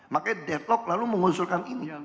makanya draft lalu mengusurkan ini